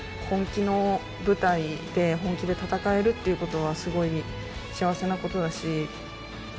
本気の舞台で、本気で戦えるっていうことはすごい幸せなことだし。